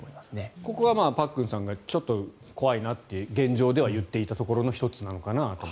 ここはパックンさんがちょっと怖いなって現状で言っていたところの１つなのかなと。